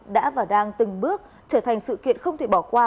đã và đang từng bước trở thành sự kiện không thể bỏ qua